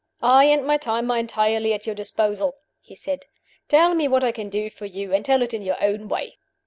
"I and my time are entirely at your disposal," he said. "Tell me what I can do for you and tell it in your own way."